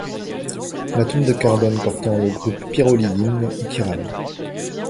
L'atome de carbone portant le groupe pyrrolidine est chiral.